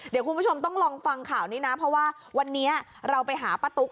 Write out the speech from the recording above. เดี๋ยวคุณผู้ชมต้องลองฟังข่าวนี้นะเพราะว่าวันนี้เราไปหาป้าตุ๊ก